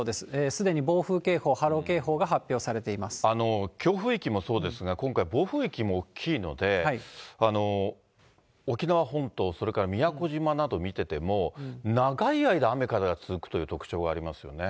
すでに暴風警報、強風域もそうですが、今回、暴風域も大きいので、沖縄本島、それから宮古島など見てても長い間、雨、風が続くという特徴がありますよね。